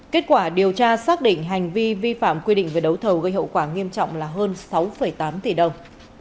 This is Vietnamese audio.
kết quả điều tra xác định hành vi vi phạm quy định về đấu thầu gây hậu quả nghiêm trọng là hơn sáu tám tỷ đồng